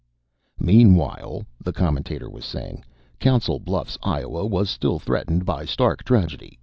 "Meanwhile," the commentator was saying, "Council Bluffs, Iowa, was still threatened by stark tragedy.